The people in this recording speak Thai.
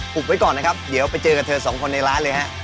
ไว้ก่อนนะครับเดี๋ยวไปเจอกับเธอสองคนในร้านเลยฮะ